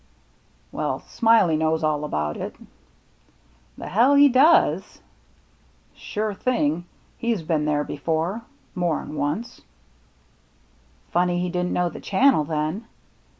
" Well, Smiley knows all about that." " The he does !" "Sure thing. He's been there before, more'n once." " Funny he didn't know the channel then.